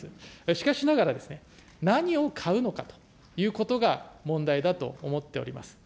しかしながらですね、何を買うのかということが問題だと思っております。